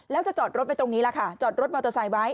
แล้วจะจอดรถไปตรงนี้ล่ะค่ะจอดรถมอเตอร์ไซค์ไว้